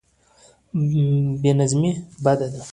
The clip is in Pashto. بې نظمي بد دی.